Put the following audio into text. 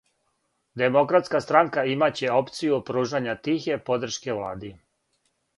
Демократска странка имаће опцију пружања тихе подршке влади.